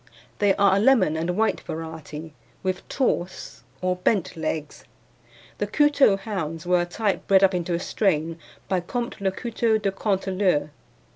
They are a lemon and white variety, with torse or bent legs. The Couteulx hounds were a type bred up into a strain by Comte le Couteulx de Canteleu.